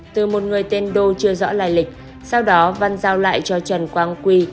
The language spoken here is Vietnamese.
từ một người tên đô chưa rõ lại lịch sau đó văn giao lại cho trần quang quy